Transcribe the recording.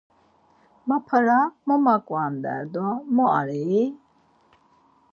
Ma para mo maǩvander do mu are i!